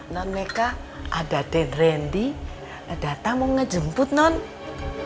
nona mereka ada dan randy datang mau ngejemput nona